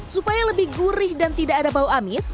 supaya lebih gurih dan tidak ada bau amis